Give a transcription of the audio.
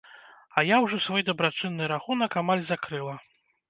А я ўжо свой дабрачынны рахунак амаль закрыла.